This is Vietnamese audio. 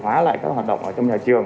hóa lại các hoạt động trong nhà trường